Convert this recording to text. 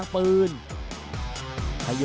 โอฮโอฮโอฮโอฮโอฮโอฮโอฮ